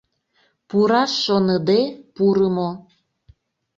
Пураш шоныде, пурымо.